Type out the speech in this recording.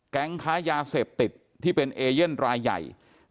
ค้ายาเสพติดที่เป็นเอเย่นรายใหญ่